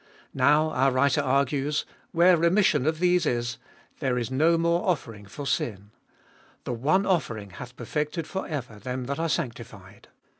Now, our writer argues, where remission of these is, there is no more Cbe l>olfest of an 349 offering for sin. The one offering hath perfected for ever them that are sanctified.